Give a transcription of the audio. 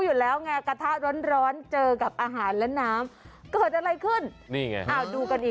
โอ๊ยแซ่บนั่นแน่นอนสิคำถามคือทำเพื่ออะไร